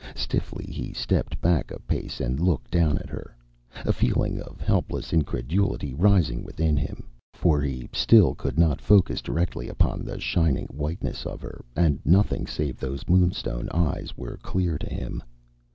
Stiffly he stepped back a pace and looked down at her, a feeling of helpless incredulity rising within him. For he still could not focus directly upon the shining whiteness of her, and nothing save those moonstone eyes were clear to him.